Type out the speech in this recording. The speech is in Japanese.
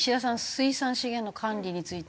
水産資源の管理について。